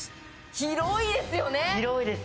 広いですよね。